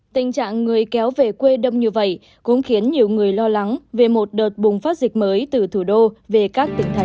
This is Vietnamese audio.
tình trạng người kéo về quê đông như vậy cũng khiến nhiều người lo lắng về một đợt bùng phát dịch mới từ thủ đô về các tỉnh thành